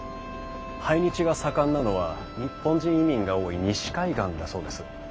排日が盛んなのは日本人移民が多い西海岸だそうです。